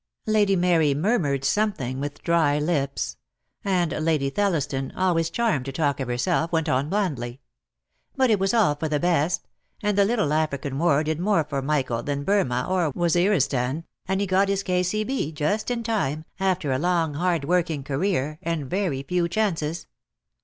Lady Mary murmured something, with dry lips; and Lady Thelliston, always charmed to talk of her self, went on blandly: "But it was all for the best — and the little African war did more for Michael than Burma or Waziristan, and he got his K.C.B. just in time, after a long, hard working career, and very few chances.